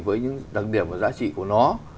với những đặc điểm và giá trị của nó